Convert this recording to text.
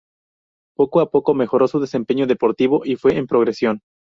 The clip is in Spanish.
Poco a poco, mejoró su desempeño deportivo y fue en progresión.